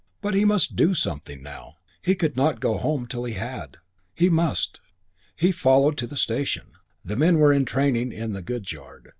But he must do something now. He could not go home till he had. He must. He followed to the station. The men were entraining in the goods yard.